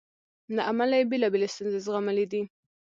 له امله یې بېلابېلې ستونزې زغملې دي.